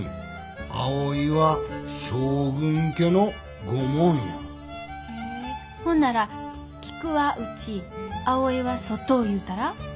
葵は将軍家の御紋や。へえほんなら「菊は内葵は外」いうたら？